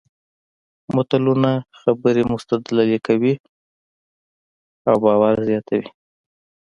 متلونه خبرې مستدللې کوي او باور زیاتوي